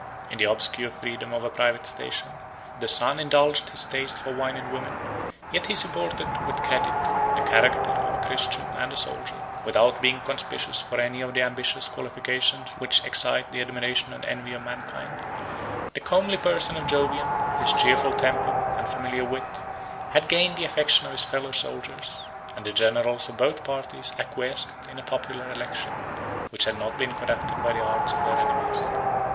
In the obscure freedom of a private station, the son indulged his taste for wine and women; yet he supported, with credit, the character of a Christian 102 and a soldier. Without being conspicuous for any of the ambitious qualifications which excite the admiration and envy of mankind, the comely person of Jovian, his cheerful temper, and familiar wit, had gained the affection of his fellow soldiers; and the generals of both parties acquiesced in a popular election, which had not been conducted by the arts of their enemies.